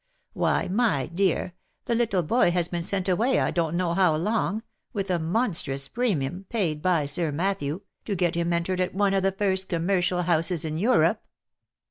Why, my dear, the little boy has been sent away I don't know how long, with a monstrous premium, paid by Sir Matthew, to get him entered at one of the first commercial houses in Europe.